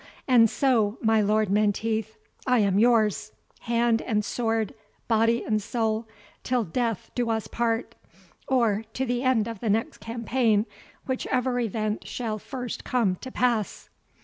And so, my Lord Menteith, I am yours, hand and sword, body and soul, till death do us part, or to the end of the next campaign, whichever event shall first come to pass."